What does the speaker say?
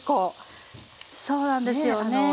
そうなんですよね。